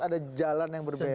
ada jalan yang berbeda